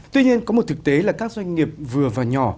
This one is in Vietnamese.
tuy nhiên có một thực tế là các doanh nghiệp vừa và nhỏ